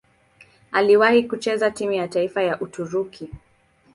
Aliwahi kucheza timu ya taifa ya Uturuki.